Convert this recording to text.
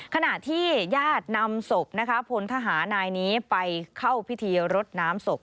ขณะที่ญาตินำศพนะคะพลทหารนายนี้ไปเข้าพิธีรดน้ำศพ